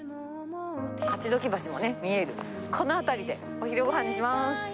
勝鬨橋も見える、この辺りでお昼ごはんにします。